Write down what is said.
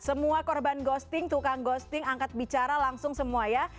semua korban ghosting tukang ghosting angkat bicara langsung semua ya